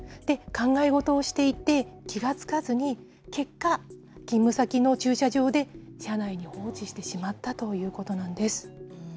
考え事をしていて、気が付かずに、結果、勤務先の駐車場で車内に放置してしまったということなんです。